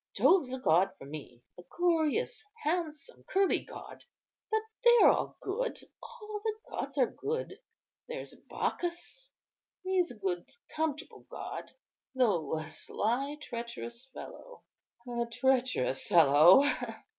Jove's the god for me; a glorious, handsome, curly god—but they are all good, all the gods are good. There's Bacchus, he's a good, comfortable god, though a sly, treacherous fellow—a treacherous fellow.